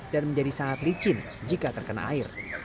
dan menjadi sangat licin jika terkena air